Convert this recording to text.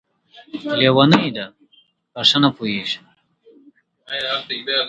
لېونۍ ده ، په ښه نه پوهېږي!